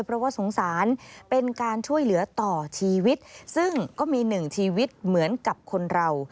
เพราะว่าสงสารเป็นการช่วยเหลือต่อชีวิตซึ่งก็มีหนึ่งชีวิตเหมือนกับคนเรา